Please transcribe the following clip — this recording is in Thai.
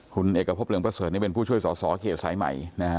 คุณเอกพบเหลืองประเสริฐนี่เป็นผู้ช่วยสอสอเขตสายใหม่นะฮะ